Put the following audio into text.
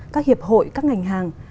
các hiệp hội các ngành hàng